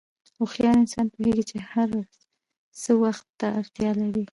هوښیار انسان پوهېږي چې هر څه وخت ته اړتیا لري.